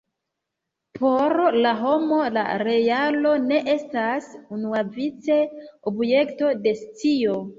Por la homo la realo ne estas unuavice objekto de scio.